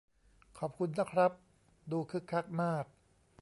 ขอบคุณนะครับ ดูคึกคักมาก